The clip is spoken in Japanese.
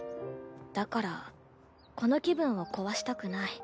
だからこの気分を壊したくない。